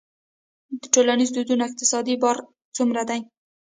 د ټولنیزو دودونو اقتصادي بار څومره دی؟